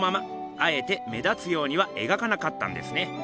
あえて目立つようには描かなかったんですね。